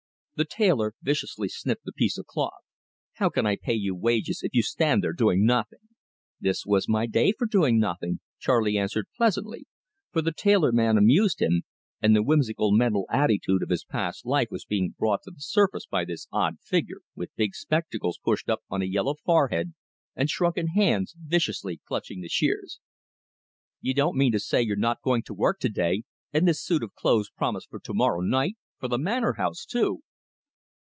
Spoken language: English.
The tailor viciously snipped a piece of cloth. "How can I pay you wages, if you stand there doing nothing?" "This is my day for doing nothing," Charley answered pleasantly, for the tailor man amused him, and the whimsical mental attitude of his past life was being brought to the surface by this odd figure, with big spectacles pushed up on a yellow forehead, and shrunken hands viciously clutching the shears. "You don't mean to say you're not going to work to day, and this suit of clothes promised for to morrow night for the Manor House too!"